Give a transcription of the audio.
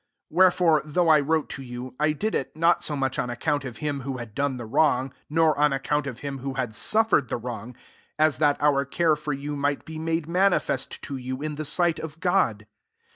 12 Wherefore, though I Erte to you, / did it, not so ch on account of him who lid done the wrong, nor on ac kont of him who had suffered le wrong, as that our care for bu might be made manifest I you, in the sight of God.